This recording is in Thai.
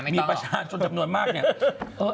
มีประชาชนจำนวนมากเนี่ย